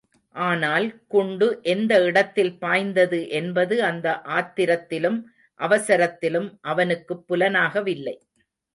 ஆனால் குண்டு எந்த இடத்தில் பாய்ந்தது என்பது அந்த ஆத்திரத்திலும் அவசரத்திலும் அவனுக்குப் புலனாகவில்லை.